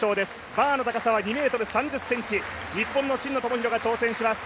バーの高さは２ｍ３０ｃｍ、日本の真野友博が挑戦します。